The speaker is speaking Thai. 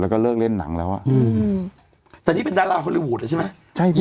แล้วก็เลิกเล่นหนังแล้วอ่ะอืมแต่นี่เป็นดาราฮอลลีวูดแล้วใช่ไหมใช่ดิ